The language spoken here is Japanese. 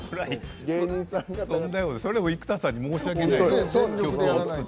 それでも生田さんに申し訳ないよ。